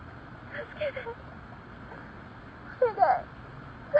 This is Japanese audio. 助けて。